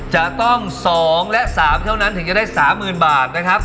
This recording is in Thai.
จะต้อง๒และ๓เท่านั้นถึงจะได้๓๐๐๐บาทนะครับ